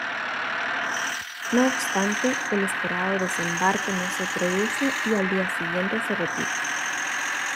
No obstante, el esperado desembarco no se produce y al día siguiente se retira.